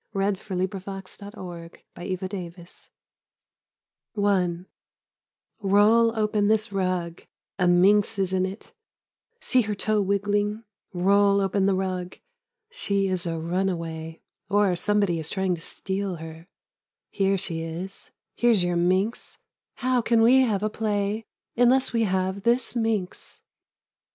? 40 Slabs of the Sunburnt West PROPS Roll open this rug; a minx is in it; see her toe wiggHng; roll open the rug; she is a runaway; or somebody is trying to steal her; here she is; here's your minx; how can we have a play unless we have this minx?